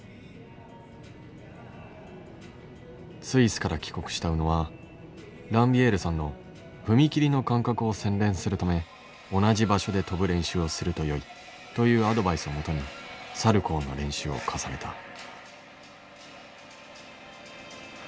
スイスから帰国した宇野はランビエールさんの踏み切りの感覚を洗練するため同じ場所で跳ぶ練習をするとよいというアドバイスをもとにサルコーの練習を重ねた。